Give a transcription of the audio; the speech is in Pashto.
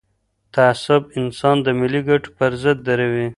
تعصب انسان د ملي ګټو پر ضد دروي.